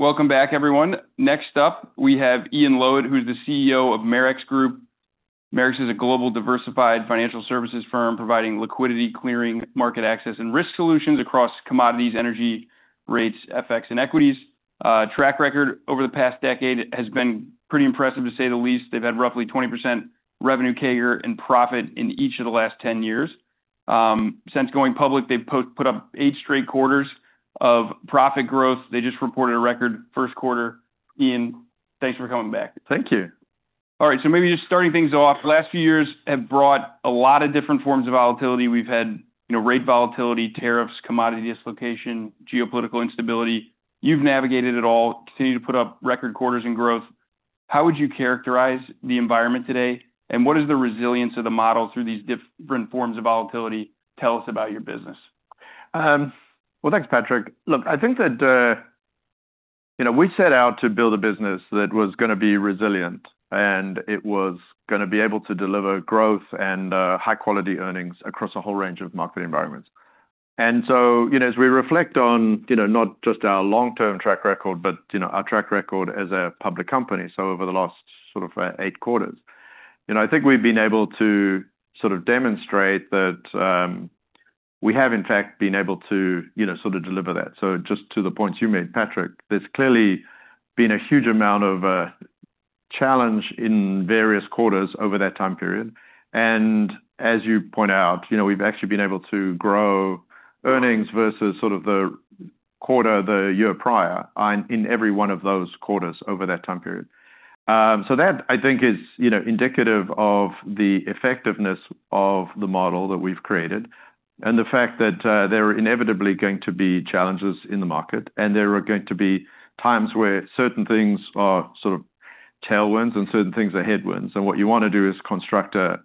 Welcome back, everyone. Next up, we have Ian Lowitt, who's the CEO of Marex Group. Marex is a global diversified financial services firm providing liquidity, clearing, market access, and risk solutions across commodities, energy, rates, FX, and equities. Track record over the past decade has been pretty impressive to say the least. They've had roughly 20% revenue CAGR and profit in each of the last 10 years. Since going public, they've put up eight straight quarters of profit growth. They just reported a record first quarter. Ian, thanks for coming back. Thank you. All right, maybe just starting things off. The last few years have brought a lot of different forms of volatility. We've had rate volatility, tariffs, commodity dislocation, geopolitical instability. You've navigated it all, continued to put up record quarters in growth. How would you characterize the environment today, and what is the resilience of the model through these different forms of volatility? Tell us about your business. Well, thanks, Patrick. Look, I think that we set out to build a business that was going to be resilient and it was going to be able to deliver growth and high-quality earnings across a whole range of market environments. As we reflect on not just our long-term track record, but our track record as a public company, so over the last eight quarters, I think we've been able to demonstrate that we have, in fact, been able to deliver that. Just to the points you made, Patrick, there's clearly been a huge amount of challenge in various quarters over that time period. As you point out, we've actually been able to grow earnings versus the quarter, the year prior in every one of those quarters over that time period. That I think is indicative of the effectiveness of the model that we've created and the fact that there are inevitably going to be challenges in the market, and there are going to be times where certain things are tailwinds and certain things are headwinds. What you want to do is construct a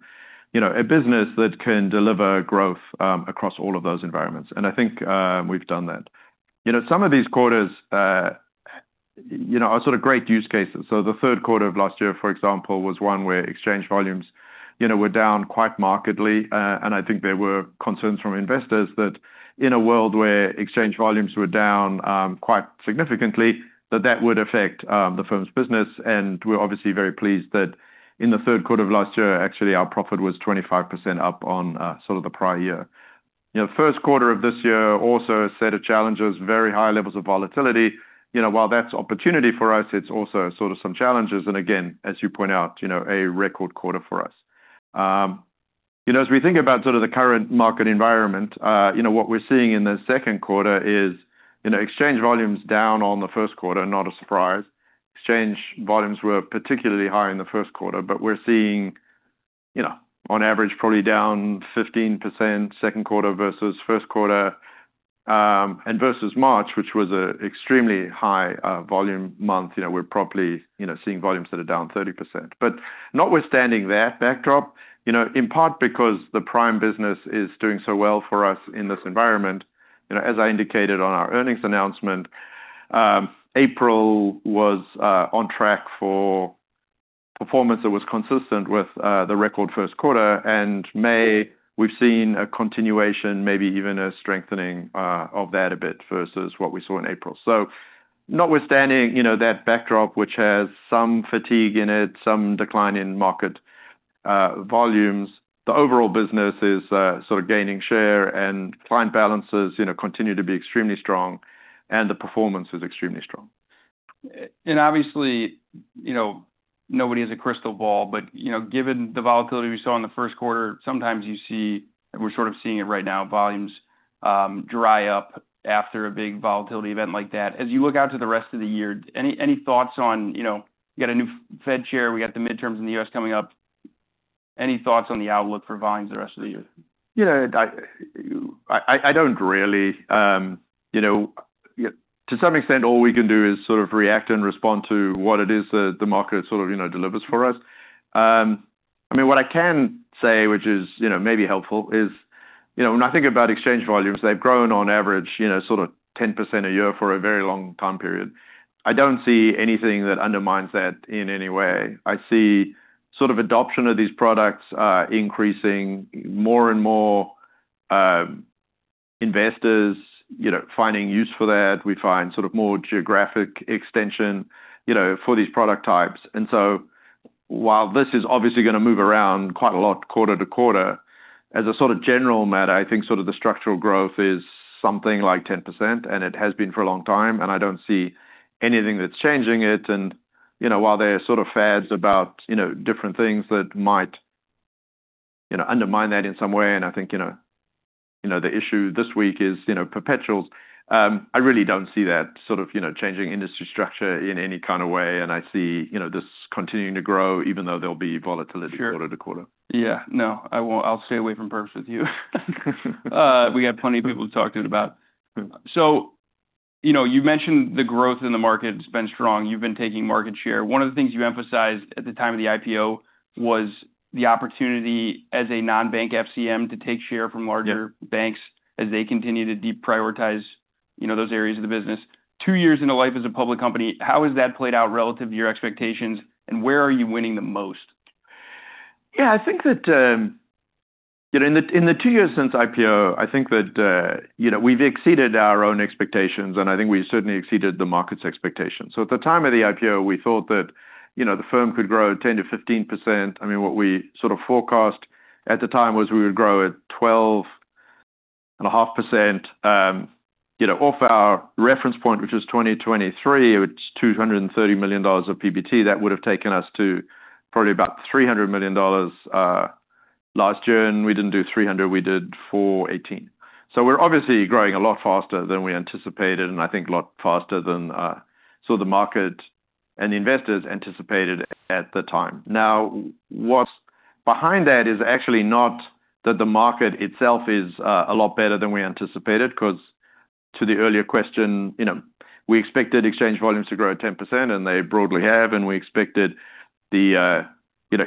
business that can deliver growth across all of those environments, and I think we've done that. Some of these quarters are great use cases. The third quarter of last year, for example, was one where exchange volumes were down quite markedly. I think there were concerns from investors that in a world where exchange volumes were down quite significantly, that that would affect the firm's business. We're obviously very pleased that in the third quarter of last year, actually, our profit was 25% up on the prior year. First quarter of this year, also a set of challenges, very high levels of volatility. While that's opportunity for us, it's also some challenges, and again, as you point out, a record quarter for us. As we think about the current market environment, what we're seeing in the second quarter is exchange volumes down on the first quarter, not a surprise. Exchange volumes were particularly high in the first quarter, but we're seeing on average probably down 15% second quarter versus first quarter, and versus March, which was an extremely high volume month. We're probably seeing volumes that are down 30%. Notwithstanding that backdrop, in part because the prime business is doing so well for us in this environment, as I indicated on our earnings announcement, April was on track for performance that was consistent with the record first quarter. May, we've seen a continuation, maybe even a strengthening of that a bit versus what we saw in April. Notwithstanding that backdrop, which has some fatigue in it, some decline in market volumes, the overall business is gaining share and client balances continue to be extremely strong, and the performance is extremely strong. Obviously, nobody has a crystal ball, but given the volatility we saw in the first quarter, sometimes you see, and we're seeing it right now, volumes dry up after a big volatility event like that. As you look out to the rest of the year, any thoughts on, you got a new Fed chair, we got the midterms in the U.S. coming up. Any thoughts on the outlook for volumes the rest of the year? To some extent, all we can do is react and respond to what it is that the market delivers for us. What I can say, which is maybe helpful, is when I think about exchange volumes, they've grown on average 10% a year for a very long time period. I don't see anything that undermines that in any way. I see adoption of these products increasing more and more, investors finding use for that. We find more geographic extension for these product types. While this is obviously going to move around quite a lot quarter-to-quarter, as a general matter, I think the structural growth is something like 10%, and it has been for a long time, and I don't see anything that's changing it. While there are fads about different things that might undermine that in some way, and I think the issue this week is perpetuals, I really don't see that changing industry structure in any kind of way, and I see this continuing to grow, even though there'll be volatility quarter-to-quarter. Sure. Yeah. No, I won't. I'll stay away from perps with you. We got plenty of people to talk to it about. You mentioned the growth in the market's been strong. You've been taking market share. One of the things you emphasized at the time of the IPO was the opportunity as a non-bank FCM to take share from larger-. Yeah banks as they continue to deprioritize those areas of the business. Two years into life as a public company, how has that played out relative to your expectations, and where are you winning the most? Yeah, I think that in the two years since IPO, I think that we've exceeded our own expectations, and I think we certainly exceeded the market's expectations. At the time of the IPO, we thought that the firm could grow 10%-15%. What we sort of forecast at the time was we would grow at 12.5% off our reference point, which was 2023, which is GBP 230 million of PBT. That would've taken us to probably about GBP 300 million last year. We didn't do 300 million, we did 418 million. We're obviously growing a lot faster than we anticipated, and I think a lot faster than sort of the market and investors anticipated at the time. Now, what's behind that is actually not that the market itself is a lot better than we anticipated. Because to the earlier question, we expected exchange volumes to grow at 10%, and they broadly have, and we expected the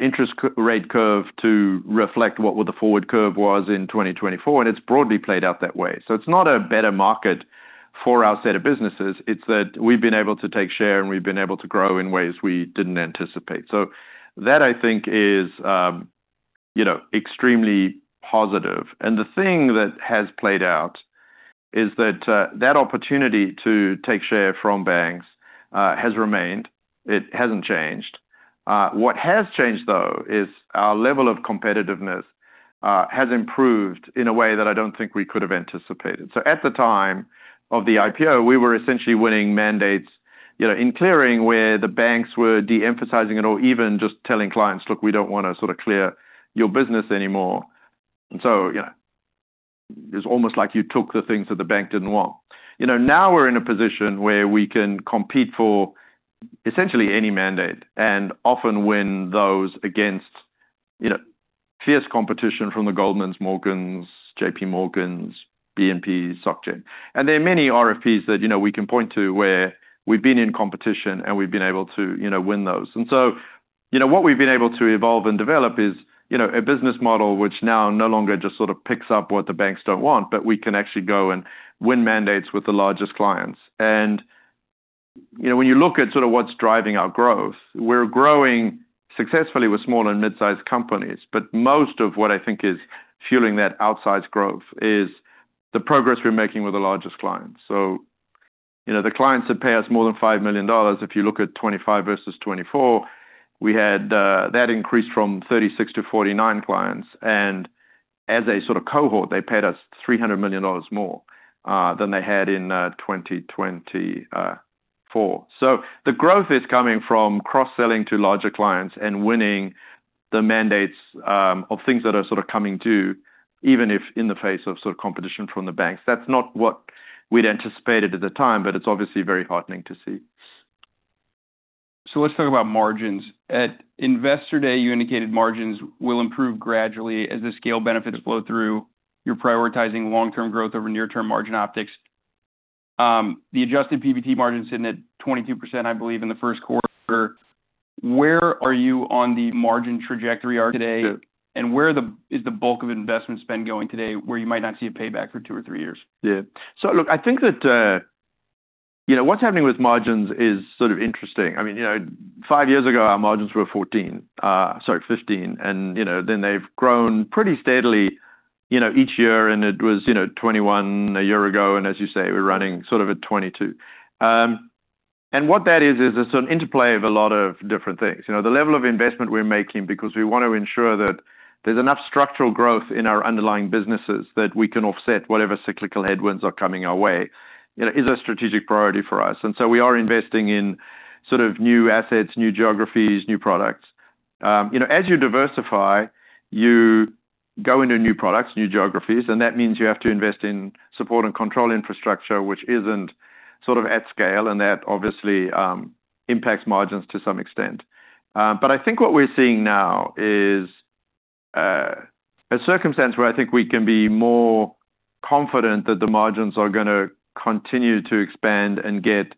interest rate curve to reflect what would the forward curve was in 2024, and it's broadly played out that way. It's not a better market for our set of businesses, it's that we've been able to take share and we've been able to grow in ways we didn't anticipate. That, I think is extremely positive. The thing that has played out is that that opportunity to take share from banks has remained. It hasn't changed. What has changed, though, is our level of competitiveness has improved in a way that I don't think we could have anticipated. At the time of the IPO, we were essentially winning mandates in clearing where the banks were de-emphasizing it or even just telling clients, Look, we don't want to clear your business anymore. It's almost like you took the things that the bank didn't want. Now we're in a position where we can compete for essentially any mandate, and often win those against fierce competition from the Goldmans, Morgans, JPMorgans, BNPs, SocGen. There are many RFPs that we can point to where we've been in competition and we've been able to win those. What we've been able to evolve and develop is a business model which now no longer just sort of picks up what the banks don't want, but we can actually go and win mandates with the largest clients. When you look at what's driving our growth, we're growing successfully with small and mid-size companies, but most of what I think is fueling that outsized growth is the progress we're making with the largest clients. The clients that pay us more than GBP 5 million, if you look at 2025 versus 2024, that increased from 36-49 clients. As a sort of cohort, they paid us GBP 300 million more than they had in 2024. The growth is coming from cross-selling to larger clients and winning the mandates of things that are sort of coming due, even if in the face of competition from the banks. That's not what we'd anticipated at the time, but it's obviously very heartening to see. Let's talk about margins. At Investor Day, you indicated margins will improve gradually as the scale benefits flow through. You're prioritizing long-term growth over near-term margin optics. The adjusted PBT margin sitting at 22%, I believe, in the first quarter. Where are you on the margin trajectory today? Sure. Where is the bulk of investment spend going today, where you might not see a payback for two or three years? Yeah. Look, I think that what's happening with margins is sort of interesting. Five years ago our margins were 14%-- sorry, 15%. They've grown pretty steadily each year and it was 21% a year ago, and as you say, we're running sort of at 22%. What that is is it's an interplay of a lot of different things. The level of investment we're making because we want to ensure that there's enough structural growth in our underlying businesses that we can offset whatever cyclical headwinds are coming our way, is a strategic priority for us. We are investing in sort of new assets, new geographies, new products. As you diversify, you go into new products, new geographies, and that means you have to invest in support and control infrastructure which isn't sort of at scale, and that obviously impacts margins to some extent. I think what we're seeing now is a circumstance where I think we can be more confident that the margins are going to continue to expand and get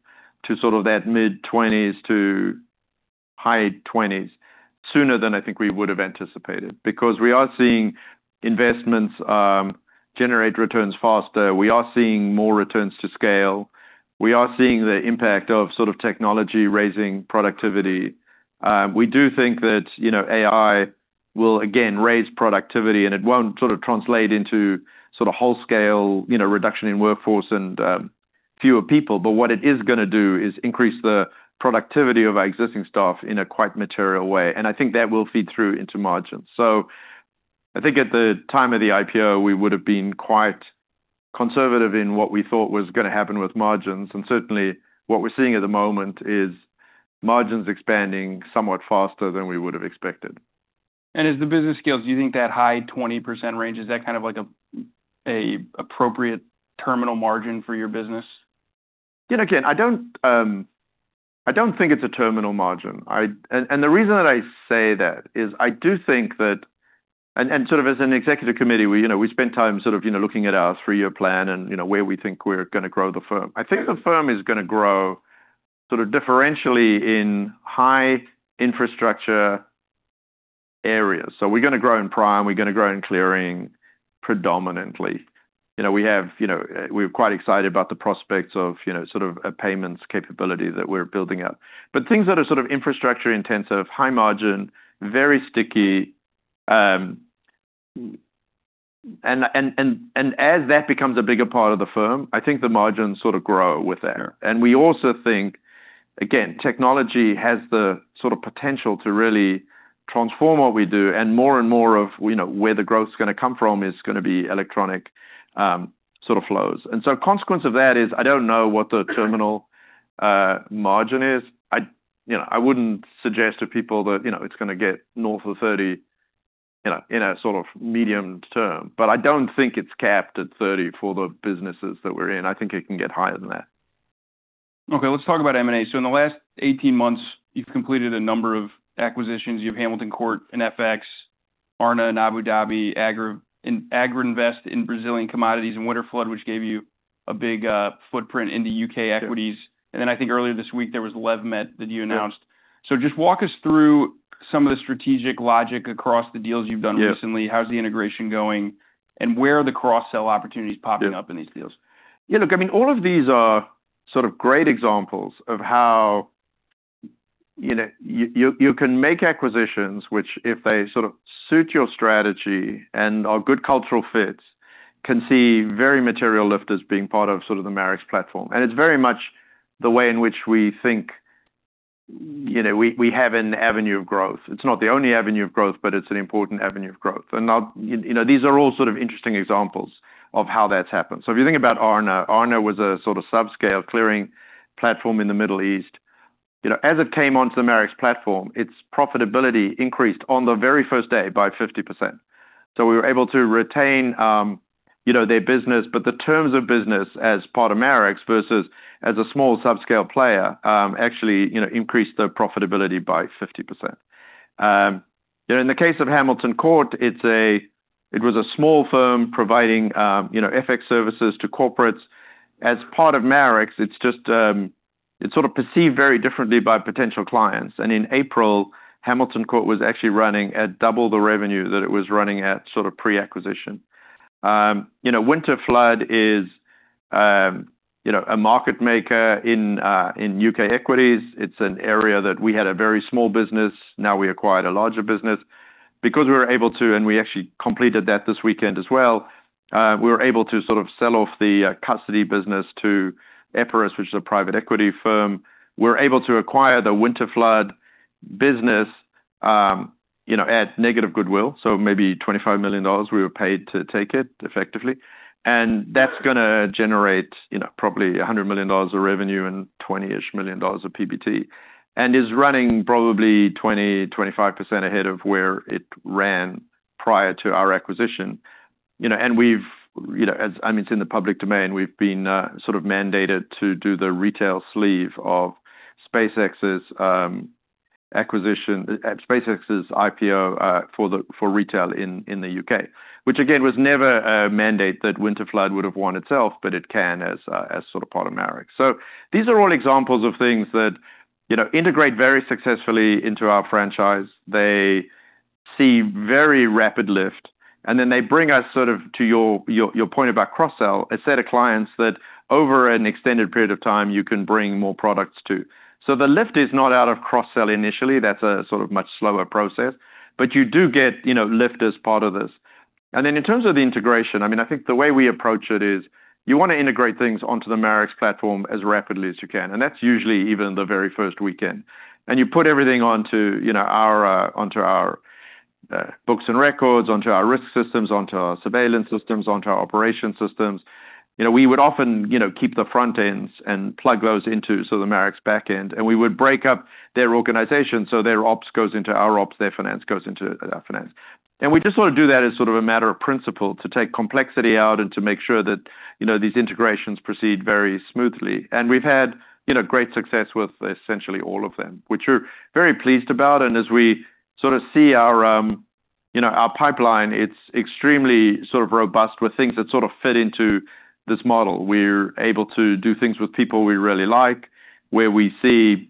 to sort of that mid-20%s to high-20%s sooner than I think we would've anticipated. We are seeing investments generate returns faster. We are seeing more returns to scale. We are seeing the impact of technology raising productivity. We do think that AI will again raise productivity and it won't translate into wholesale reduction in workforce and fewer people. What it is going to do is increase the productivity of our existing staff in a quite material way. I think that will feed through into margins. I think at the time of the IPO, we would've been quite conservative in what we thought was going to happen with margins, and certainly what we're seeing at the moment is margins expanding somewhat faster than we would've expected. As the business scales, do you think that high 20% range, is that kind of like appropriate terminal margin for your business? I don't think it's a terminal margin. The reason that I say that is I do think that as an executive committee, we spend time looking at our three-year plan and where we think we're going to grow the firm. I think the firm is going to grow sort of differentially in high infrastructure areas. We're going to grow in prime, we're going to grow in clearing predominantly. We're quite excited about the prospects of a payments capability that we're building up, things that are infrastructure-intensive, high margin, very sticky. As that becomes a bigger part of the firm, I think the margins sort of grow with that. Sure. We also think, again, technology has the potential to really transform what we do, and more and more of where the growth is going to come from is going to be electronic flows. Consequence of that is I don't know what the terminal margin is. I wouldn't suggest to people that it's going to get north of 30 in a sort of medium-term, but I don't think it's capped at 30 for the businesses that we're in. I think it can get higher than that. Okay. Let's talk about M&A. In the last 18 months, you've completed a number of acquisitions. You have Hamilton Court in FX, Aarna in Abu Dhabi, Agrinvest in Brazilian commodities, and Winterflood, which gave you a big footprint in the U.K. equities. Yeah. I think earlier this week there was Levmet that you announced. Yeah. Just walk us through some of the strategic logic across the deals you've done recently. Yeah. How's the integration going? Where are the cross-sell opportunities popping up? Yeah in these deals? Yeah, look, all of these are great examples of how you can make acquisitions, which if they suit your strategy and are good cultural fits, can see very material lift as being part of the Marex platform. It's very much the way in which we think we have an avenue of growth. It's not the only avenue of growth, but it's an important avenue of growth. These are all interesting examples of how that's happened. If you think about Aarna was a sub-scale clearing platform in the Middle East. As it came onto the Marex platform, its profitability increased on the very first day by 50%. We were able to retain their business, but the terms of business as part of Marex versus as a small sub-scale player actually increased their profitability by 50%. In the case of Hamilton Court, it was a small firm providing FX services to corporates. As part of Marex, it's sort of perceived very differently by potential clients. In April, Hamilton Court was actually running at double the revenue that it was running at pre-acquisition. Winterflood is a market maker in U.K. equities. It's an area that we had a very small business, now we acquired a larger business. We were able to, and we actually completed that this weekend as well, we were able to sell off the custody business to Epiris, which is a private equity firm. We're able to acquire the Winterflood business at negative goodwill. Maybe GBP 25 million we were paid to take it effectively. That's going to generate probably GBP 100 million of revenue and 20 million of PBT. Is running probably 20%, 25% ahead of where it ran prior to our acquisition. It's in the public domain, we've been mandated to do the retail sleeve of SpaceX's IPO for retail in the U.K. Which again, was never a mandate that Winterflood would have won itself, but it can as part of Marex. These are all examples of things that integrate very successfully into our franchise. They see very rapid lift and then they bring us sort of, to your point about cross-sell, a set of clients that over an extended period of time you can bring more products to. The lift is not out of cross-sell initially, that's a much slower process, but you do get lift as part of this. In terms of the integration, I think the way we approach it is you want to integrate things onto the Marex platform as rapidly as you can, and that's usually even the very first weekend. You put everything onto our books and records, onto our risk systems, onto our surveillance systems, onto our operation systems. We would often keep the front ends and plug those into the Marex backend, and we would break up their organization so their ops goes into our ops, their finance goes into our finance. We just want to do that as a matter of principle to take complexity out and to make sure that these integrations proceed very smoothly. We've had great success with essentially all of them, which we're very pleased about. As we see our pipeline, it's extremely robust with things that fit into this model. We're able to do things with people we really like, where we see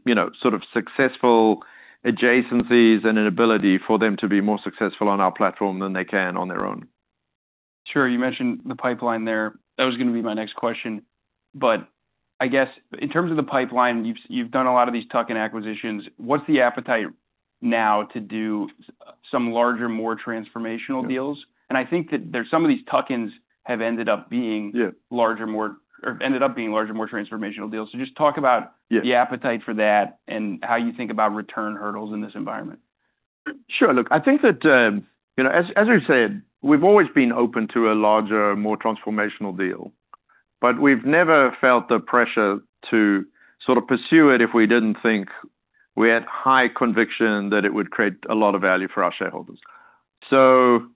successful adjacencies and an ability for them to be more successful on our platform than they can on their own. Sure. You mentioned the pipeline there. That was going to be my next question. I guess in terms of the pipeline, you've done a lot of these tuck-in acquisitions. What's the appetite now to do some larger, more transformational deals? Yeah. I think that some of these tuck-ins have ended up. Yeah larger, more transformational deals. Yeah the appetite for that and how you think about return hurdles in this environment. Sure. Look, I think that as we've said, we've always been open to a larger, more transformational deal, but we've never felt the pressure to pursue it if we didn't think we had high conviction that it would create a lot of value for our shareholders. To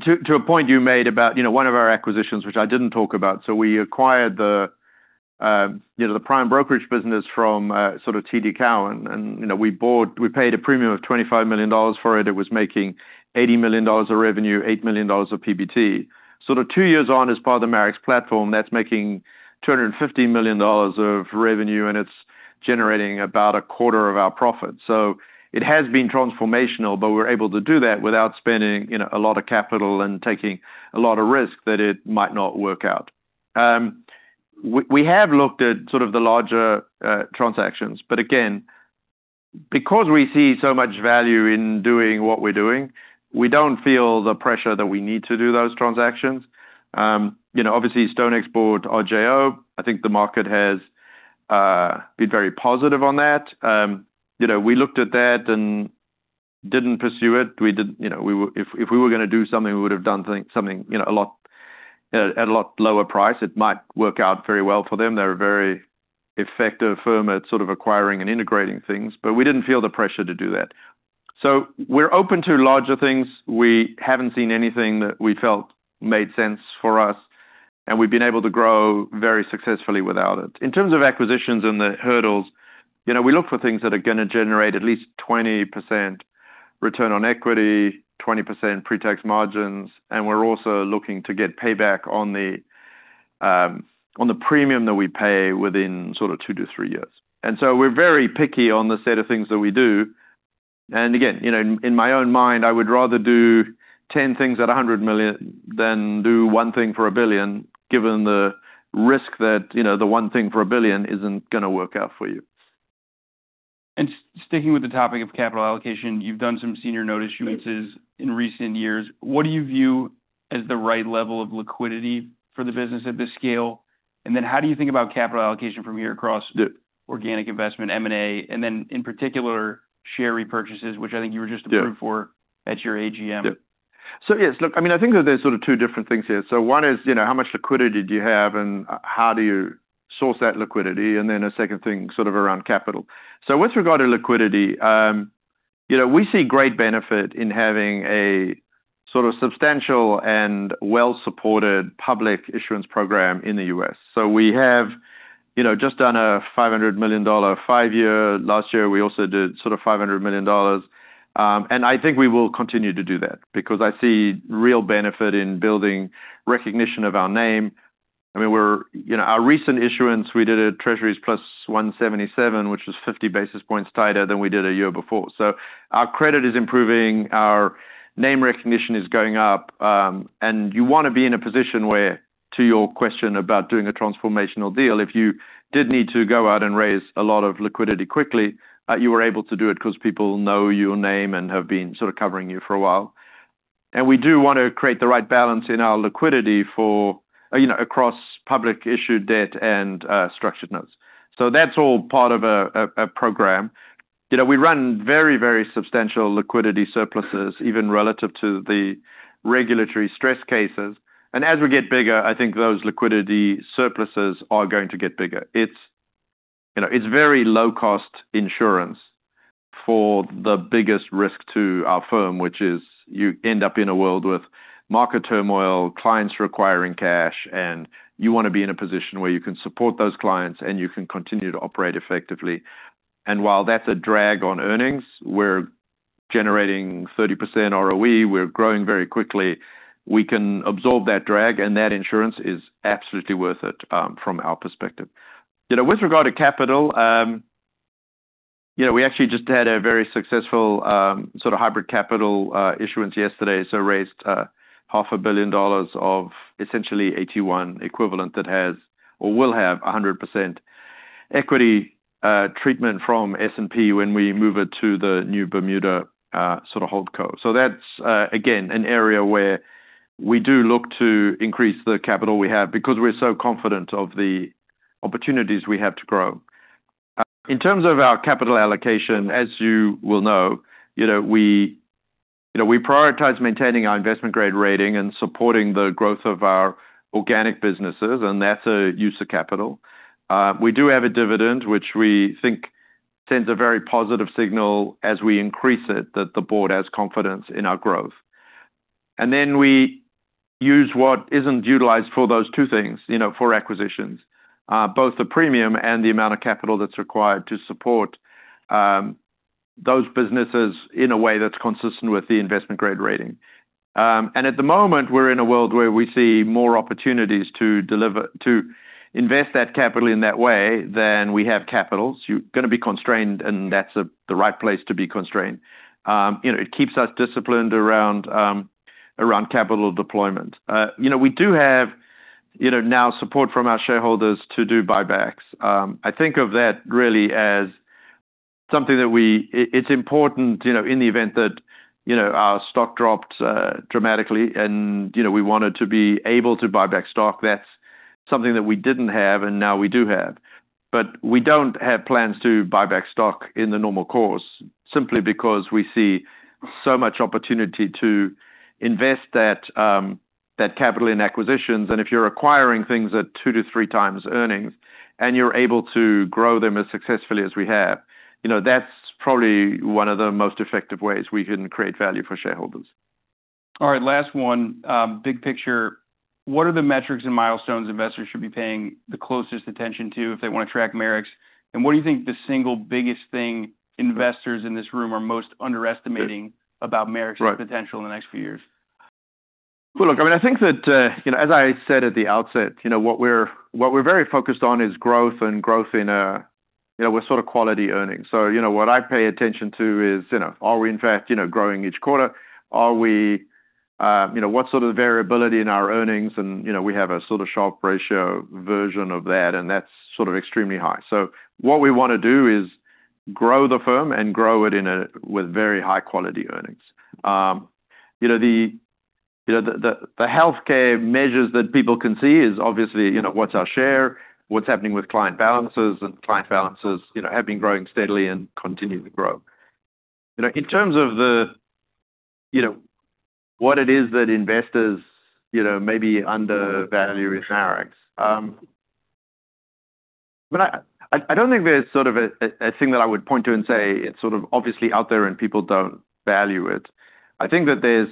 a point you made about one of our acquisitions, which I didn't talk about. We acquired the prime brokerage business from TD Cowen, and we paid a premium of GBP 25 million for it. It was making GBP 80 million of revenue, GBP 8 million of PBT. The two years on as part of the Marex platform, that's making GBP 250 million of revenue and it's generating about a quarter of our profit. It has been transformational, but we're able to do that without spending a lot of capital and taking a lot of risk that it might not work out. We have looked at the larger transactions, but again, because we see so much value in doing what we're doing, we don't feel the pressure that we need to do those transactions. Obviously StoneX bought R.J.O, I think the market has been very positive on that. We looked at that and didn't pursue it. If we were going to do something, we would have done something at a lot lower price. It might work out very well for them. They're a very effective firm at acquiring and integrating things, but we didn't feel the pressure to do that. We're open to larger things. We haven't seen anything that we felt made sense for us, and we've been able to grow very successfully without it. In terms of acquisitions and the hurdles, we look for things that are going to generate at least 20% return on equity, 20% pre-tax margins, and we're also looking to get payback on the premium that we pay within 2-3 years. So we're very picky on the set of things that we do. Again, in my own mind, I would rather do 10 things at 100 million than do one thing for 1 billion, given the risk that the one thing for 1 billion isn't going to work out for you. Sticking with the topic of capital allocation, you've done some senior note issuances in recent years. What do you view as the right level of liquidity for the business at this scale? How do you think about capital allocation from here across. Yep organic investment, M&A, and then in particular, share repurchases, which I think you were just approved for at your AGM. Yep. Yes, look, I think that there's two different things here. One is how much liquidity do you have and how do you source that liquidity? A second thing sort of around capital. With regard to liquidity, we see great benefit in having a substantial and well-supported public issuance program in the U.S. We have just done a GBP 500 million, five-year. Last year, we also did GBP 500 million. I think we will continue to do that because I see real benefit in building recognition of our name. Our recent issuance, we did a Treasuries +177, which was 50 basis points tighter than we did a year before. Our credit is improving, our name recognition is going up. You want to be in a position where, to your question about doing a transformational deal, if you did need to go out and raise a lot of liquidity quickly, you were able to do it because people know your name and have been covering you for a while. We do want to create the right balance in our liquidity across public issued debt and structured notes. That's all part of a program. We run very substantial liquidity surpluses, even relative to the regulatory stress cases. As we get bigger, I think those liquidity surpluses are going to get bigger. It's very low-cost insurance for the biggest risk to our firm, which is you end up in a world with market turmoil, clients requiring cash, and you want to be in a position where you can support those clients and you can continue to operate effectively. While that's a drag on earnings, we're generating 30% ROE, we're growing very quickly. We can absorb that drag, and that insurance is absolutely worth it from our perspective. With regard to capital, we actually just had a very successful hybrid capital issuance yesterday, so raised $500 million of essentially AT1 equivalent that has, or will have, 100% equity treatment from S&P when we move it to the new Bermuda holdco. That's, again, an area where we do look to increase the capital we have because we're so confident of the opportunities we have to grow. In terms of our capital allocation, as you will know, we prioritize maintaining our investment-grade rating and supporting the growth of our organic businesses, and that's a use of capital. We do have a dividend, which we think sends a very positive signal as we increase it that the board has confidence in our growth. Then we use what isn't utilized for those two things for acquisitions, both the premium and the amount of capital that's required to support those businesses in a way that's consistent with the investment-grade rating. At the moment, we're in a world where we see more opportunities to invest that capital in that way than we have capital. You're going to be constrained, and that's the right place to be constrained. It keeps us disciplined around capital deployment. We do have now support from our shareholders to do buybacks. I think of that really as something that it's important in the event that our stock dropped dramatically and we wanted to be able to buy back stock. That's something that we didn't have and now we do have. We don't have plans to buy back stock in the normal course, simply because we see so much opportunity to invest that capital in acquisitions. If you're acquiring things at two to three times earnings and you're able to grow them as successfully as we have, that's probably one of the most effective ways we can create value for shareholders. All right. Last one. Big picture, what are the metrics and milestones investors should be paying the closest attention to if they want to track Marex? What do you think the single biggest thing investors in this room are most underestimating about Marex's potential in the next few years? Well, look, I think that as I said at the outset, what we're very focused on is growth and growth in quality earnings. What I pay attention to is, are we in fact growing each quarter? What sort of variability in our earnings, and we have a sort of Sharpe ratio version of that, and that's extremely high. What we want to do is grow the firm and grow it with very high-quality earnings. The healthcare measures that people can see is obviously what's our share, what's happening with client balances, and client balances have been growing steadily and continue to grow. In terms of what it is that investors may be under value in Marex. I don't think there's a thing that I would point to and say it's obviously out there and people don't value it. I think that there's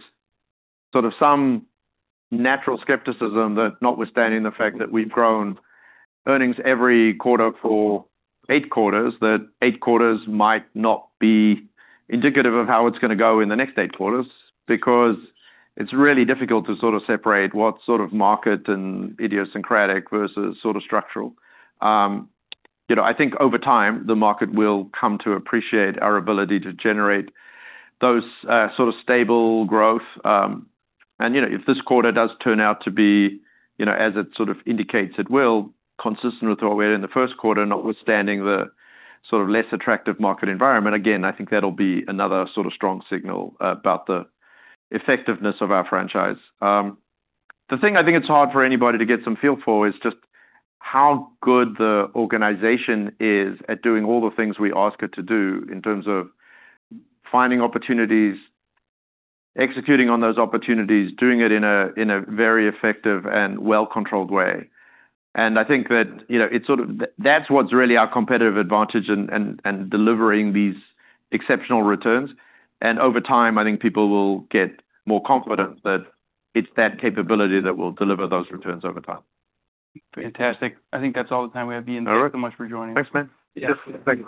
some natural skepticism that notwithstanding the fact that we've grown earnings every quarter for eight quarters, that eight quarters might not be indicative of how it's going to go in the next eight quarters, because it's really difficult to separate what sort of market and idiosyncratic versus structural. I think over time, the market will come to appreciate our ability to generate those sort of stable growth. If this quarter does turn out to be as it indicates it will, consistent with where we were in the first quarter, notwithstanding the less attractive market environment, again, I think that'll be another strong signal about the effectiveness of our franchise. The thing I think it's hard for anybody to get some feel for is just how good the organization is at doing all the things we ask it to do in terms of finding opportunities, executing on those opportunities, doing it in a very effective and well-controlled way. I think that's what's really our competitive advantage in delivering these exceptional returns. Over time, I think people will get more confident that it's that capability that will deliver those returns over time. Fantastic. I think that's all the time we have, Ian. All right. Thank you so much for joining. Thanks, man. Yes. Thank you.